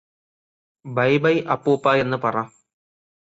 bye-bye അപ്പൂപ്പാ എന്ന് പറ